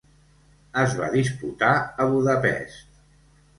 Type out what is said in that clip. Es va disputar a Budapest.